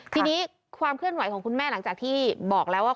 ทีนี้ความเคลื่อนไหวของคุณแม่หลังจากที่บอกแล้วว่า